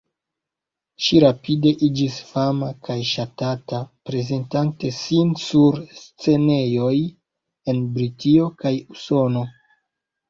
Ŝi rapide iĝis fama kaj ŝatata, prezentante sin sur scenejoj en Britio kaj Usono.